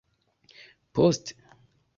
Poste?